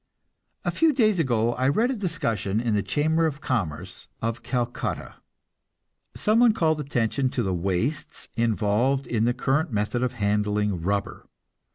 A few days ago I read a discussion in the Chamber of Commerce of Calcutta. Some one called attention to the wastes involved in the current method of handling rubber.